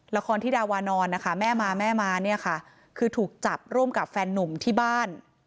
ละครที่ดาวานอนนะคะแม่มาแม่มาเนี่ยค่ะคือถูกจับร่วมกับแฟนนุ่มที่บ้าน